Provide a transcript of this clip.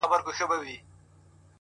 o يې ياره شرموه مي مه ته هرڅه لرې ياره،